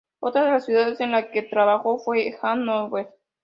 Otra de las ciudades en la que trabajó fue Hannover.